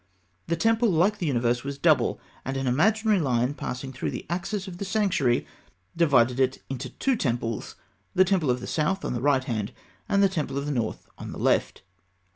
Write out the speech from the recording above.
The temple, like the universe, was double, and an imaginary line passing through the axis of the sanctuary divided it into two temples the temple of the south on the right hand, and the temple of the north on the left.